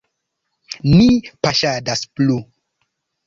Ni paŝadas plu.